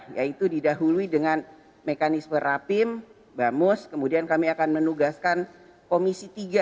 yaitu didahului dengan mekanisme rapim bamus kemudian kami akan menugaskan komisi tiga